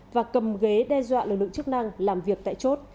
và cầm ghế đe dọa lực lượng chức năng làm việc tại chốt